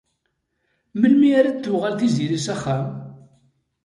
Melmi ara d-tuɣal Tiziri s axxam?